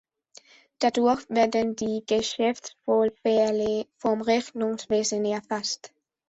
Dadurch werden die Geschäftsvorfälle vom Rechnungswesen erfasst.